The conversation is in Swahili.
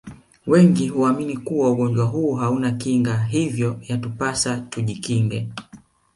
Wengi huamini kuwa ugonjwa huu hauna Kinga hivyo yatupasa tujikinge